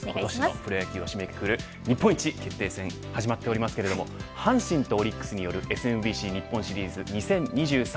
プロ野球を締めくくる日本一決定戦始まっておりますけれども阪神とオリックスによるＳＭＢＣ日本シリーズ２０２３。